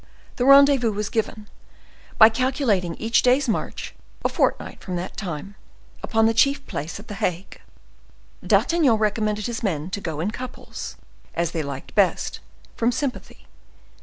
The rendezvous was given, by calculating each day's march, a fortnight from that time, upon the chief place at the Hague. D'Artagnan recommended his men to go in couples, as they liked best, from sympathy.